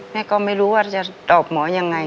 แม่ก็ไม่รู้ว่าจะตอบหมอยังไง